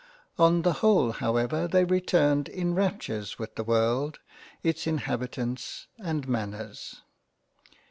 On the whole however they returned in raptures with the World, its In habitants, and Manners.